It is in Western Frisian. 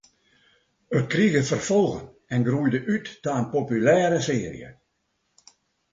It krige ferfolgen en groeide út ta in populêre searje.